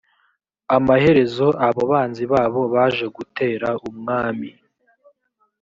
amaherezo abo banzi babo baje gutera umwami